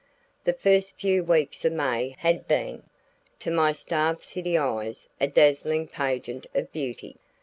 The first few weeks of May had been, to my starved city eyes, a dazzling pageant of beauty.